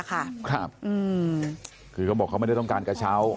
คือเขาบอกเขาไม่ได้ต้องการกระเช้า